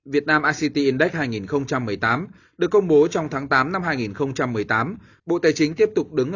việt nam ict index hai nghìn một mươi tám được công bố trong tháng tám năm hai nghìn một mươi tám bộ tài chính tiếp tục đứng